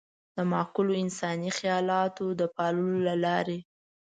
د معقولو انساني خيالاتو د پاللو له لارې.